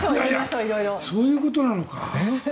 そういうことなのか。